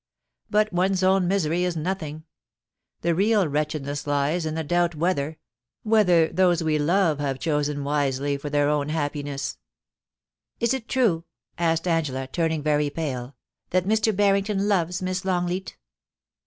But one's own misery is nothing ; the real wretchedness lies in the doubt whether — whether those we love have chosen wisely for their own happiness. 284 POUCY AND PASSION. * Is it true,' asked Angela, turning very pale, * that Mr. Barrington loves Miss Longleat